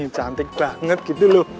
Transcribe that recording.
cantik banget gitu loh